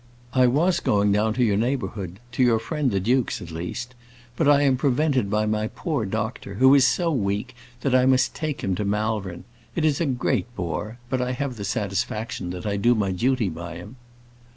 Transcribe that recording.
"I was going down to your neighbourhood to your friend the duke's, at least. But I am prevented by my poor doctor, who is so weak that I must take him to Malvern. It is a great bore; but I have the satisfaction that I do my duty by him!